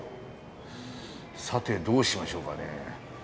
さてどうしましょうかね。